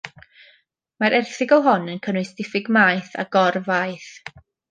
Mae'r erthygl hon yn cynnwys diffyg maeth a gor faeth.